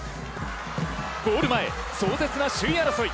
ゴール前、壮絶な首位争い。